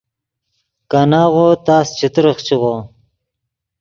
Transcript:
کاناغو تس چے ترخچیغو